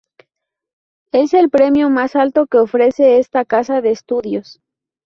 Es el Premio más alto que ofrece esta casa de estudios.